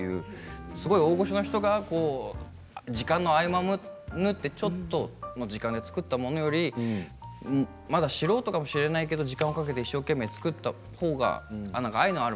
大御所の人が時間の合間を縫ってちょっとの時間で作ったものよりまだ素人かもしれないけど時間をかけて一生懸命作ったほうが愛がある